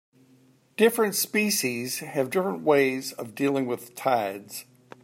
Different species have different ways of dealing with tides.